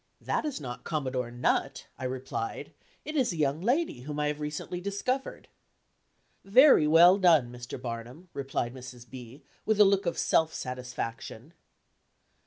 "That is not Commodore Nutt," I replied, "it is a young lady whom I have recently discovered." "Very well done, Mr. Barnum," replied Mrs. B., with a look of self satisfaction.